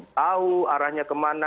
tahu arahnya kemana